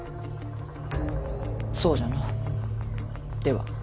そうじゃのぅでは。